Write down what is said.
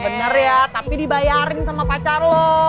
bener ya tapi dibayarin sama pacar lo